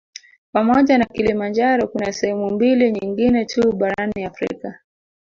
Pamoja na Kilimanjaro kuna sehemu mbili nyingine tu barani Afrika